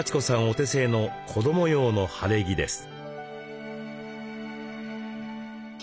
お手製の子ども用の晴れ着です。